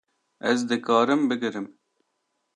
Ez dikarim bigirim